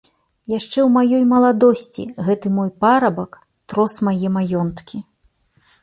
Яшчэ ў маёй маладосці гэты мой парабак трос мае маёнткі.